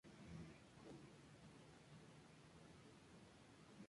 Hoy se conserva únicamente el varadero principal.